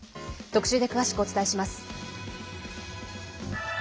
特集で詳しくお伝えします。